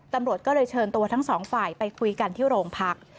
ตำรวจก็เลยเชิญตัวทั้งสองฝ่ายไปคุยกันที่โรงพัก